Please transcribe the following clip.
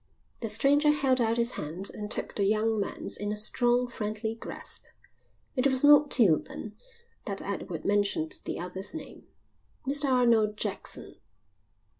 The stranger held out his hand and took the young man's in a strong, friendly grasp. It was not till then that Edward mentioned the other's name. "Mr Arnold Jackson."